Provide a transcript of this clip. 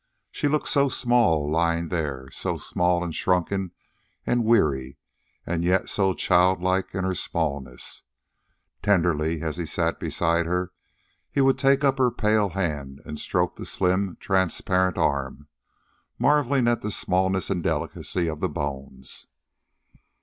She looked so small lying there so small and shrunken and weary, and yet so child like in her smallness. Tenderly, as he sat beside her, he would take up her pale hand and stroke the slim, transparent arm, marveling at the smallness and delicacy of the bones.